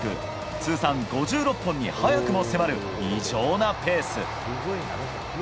通算５６本に早くも迫る異常なペース。